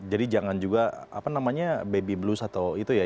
jadi jangan juga apa namanya baby blues atau itu ya